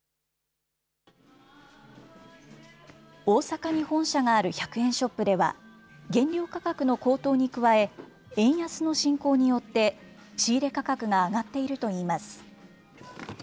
大阪に本社がある１００円ショップでは、原料価格の高騰に加え、円安の進行によって仕入れ価格が上がっているといいます。